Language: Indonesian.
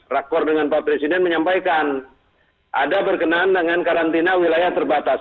rakor dengan pak presiden menyampaikan ada berkenan dengan karantina wilayah terbatas